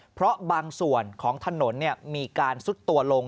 เพราะบางส่วนของถนนมีการซุดตัวลง